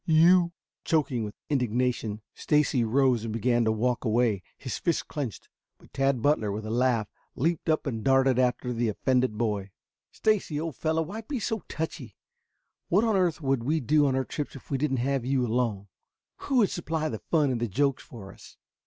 You " Choking with indignation, Stacy rose and began to walk away, his fists clenched. But Tad Butler, with a laugh, leaped up and darted after the offended boy. "Stacy, old fellow, why be so touchy? What on earth would we do on our trips if we didn't have you along? Who would supply the fun and the jokes for us?"